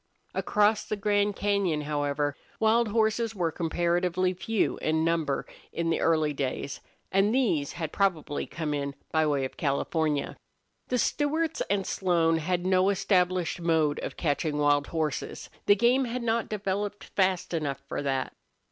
Across the Grand Cañon, however, wild horses were comparatively few in number in the early days; and these had probably come in by way of California. The Stewarts and Slone had no established mode of catching wild horses. The game had not developed fast enough for that.